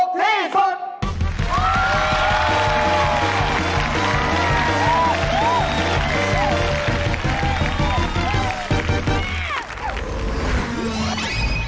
ถูกที่สุด